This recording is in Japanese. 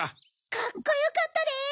カッコよかったで！